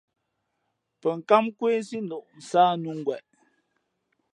Pαnkǎm nkwésí noʼ, nsāh nʉ̌ ngweʼ.